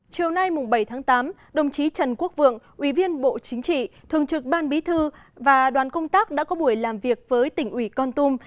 chiều nay bảy tháng tám đồng chí trần quốc vượng ủy viên bộ chính trị thường trực ban bí thư và đoàn công tác đã có buổi làm việc với tỉnh ủy con tum